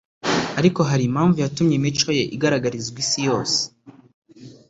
ariko hari impamvu yatumye imico ye igaragarizwa isi yose